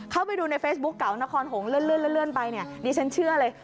เข้าไปดูในเฟซบุ๊คเก่านครหงษ์เลื่อนไปเนี่ยดิฉันเชื่อเลย